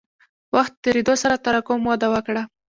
وخت تېرېدو سره تراکم وده وکړه.